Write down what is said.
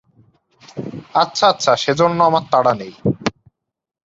আচ্ছা আচ্ছা, সেজন্যে আমার তাড়া নেই।